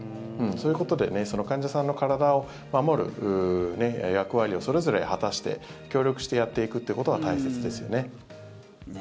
そういうことで患者さんの体を守る役割をそれぞれ果たして協力してやっていくということが大切ですよね。